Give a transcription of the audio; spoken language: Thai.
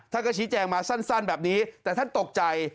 ท่านก็ชี้แจงมาสั้นแบบนี้แต่ท่านตกใจ